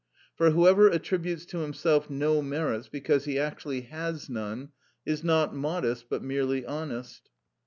For whoever attributes to himself no merits, because he actually has none, is not modest but merely honest.